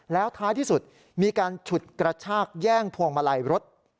แล้วท้ายที่สุดมีการฉุดกระชากแย่งพวงมาลัยรถ